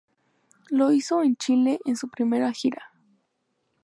Lo hizo en Chile en su primera gira.